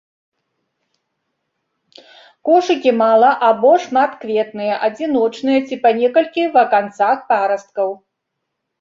Кошыкі мала- або шматкветныя, адзіночныя ці па некалькі ва канцах парасткаў.